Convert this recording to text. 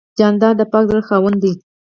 جانداد د پاک زړه خاوند دی.